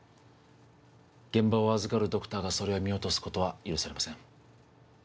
現場を預かるドクターがそれを見落とすことは許されません